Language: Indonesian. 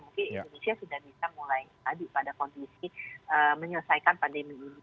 mungkin indonesia sudah bisa mulai tadi pada kondisi menyelesaikan pandemi ini